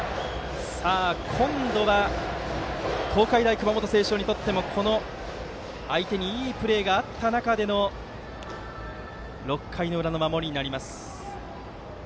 今度は東海大熊本星翔にとっても相手にいいプレーがあった中での６回の裏の守りになります。